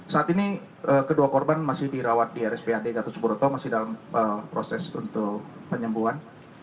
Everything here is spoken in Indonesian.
saat ini kedua korban masih dirawat di rspad gatusuburoto masih dalam proses penyembuhan